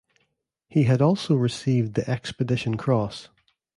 He had also received the Expedition Cross.